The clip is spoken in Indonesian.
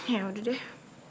ya udah deh